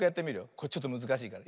これちょっとむずかしいから。